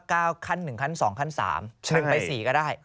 ก้าวขั้น๑ขั้น๒ขั้น๓ขั้นไป๔ก็ได้